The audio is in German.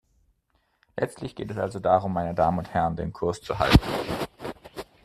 Letztlich geht es also darum, meine Damen und Herren, den Kurs zu halten.